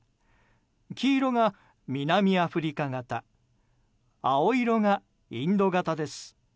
黄色が南アフリカ型青色がインド型です。